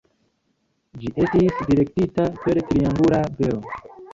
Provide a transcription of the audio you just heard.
Ĝi estis direktita per triangula velo.